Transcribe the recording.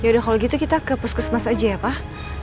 yaudah kalau gitu kita ke puskus mas aja ya pak